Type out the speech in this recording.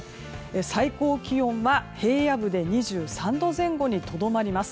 最高気温は平野部で２３度前後にとどまります。